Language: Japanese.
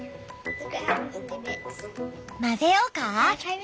混ぜようか？